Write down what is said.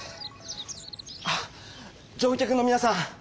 あっ乗客のみなさん！